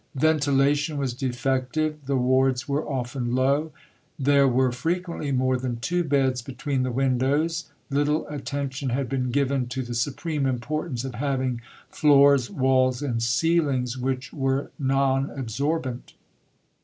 Ventilation was defective. The wards were often low. There were frequently more than two beds between the windows. Little attention had been given to the supreme importance of having floors, walls, and ceilings which were non absorbent.